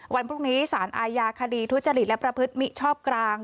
วันพรุ่งนี้สารอาญาคดีทุจริตและประพฤติมิชชอบกลาง